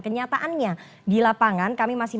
kenyataannya di lapangan kami masih